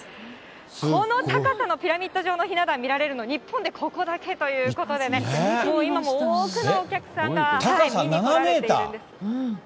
この高さのピラミッド状のひな壇見られるの、日本でここだけということでね、もう今も多くのお客さんが見に来られてるんです。